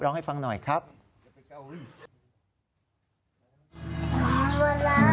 ทั้งนั้นมาหายตามการเวลา